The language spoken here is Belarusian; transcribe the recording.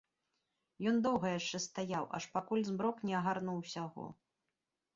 Ён доўга яшчэ стаяў, аж пакуль змрок не агарнуў усяго.